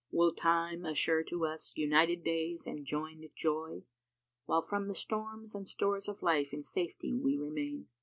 Will Time assure to us united days and joinčd joy, * While from the storms and stowres of life in safety we remain?